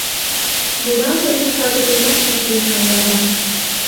Муралтыме пагытемат эртен кая да